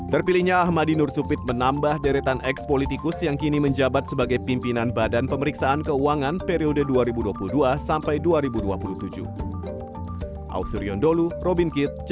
terpilihnya ahmadi nur supit menambah deretan ex politikus yang kini menjabat sebagai pimpinan badan pemeriksaan keuangan periode dua ribu dua puluh dua sampai dua ribu dua puluh tujuh